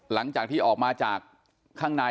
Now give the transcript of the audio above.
หลังจากที่ออกมาจากข้างใน